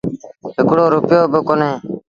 هڪڙو رپيو با ڪونهي